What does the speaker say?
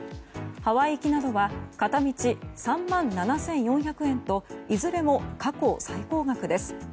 ハワイ行きなどは片道３万７４００円といずれも過去最高額です。